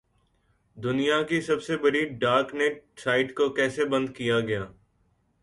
دنیا کی سب سے بڑی ڈارک نیٹ سائٹ کو کیسے بند کیا گیا؟